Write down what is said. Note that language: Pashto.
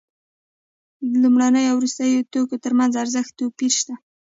د لومړنیو او وروستیو توکو ترمنځ ارزښتي توپیر شته